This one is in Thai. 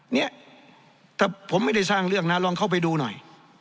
เนี่ยถ้าผมไม่ได้สร้างเรื่องนะลองเข้าไปดูหน่อย